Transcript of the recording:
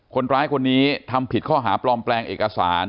คนร้ายคนนี้ทำผิดข้อหาปลอมแปลงเอกสาร